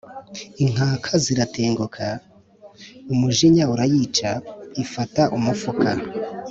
Inkanka ziratenguka umujinya urayica, ifata umufuka